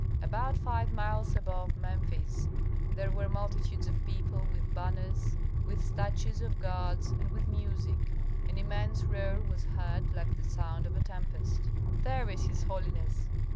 About five miles above Memphis there were multitudes of people with banners, with statues of gods, and with music; an immense roar was heard, like the sound of a tempest. "There is his holiness!"